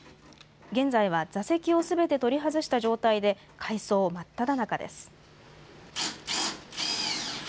現在は座席をすべて取り外した状態で、改装真っただ中です。